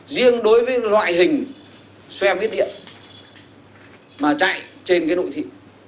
riêng đối với loại hình xe viết điện mà chạy trên cái nội thị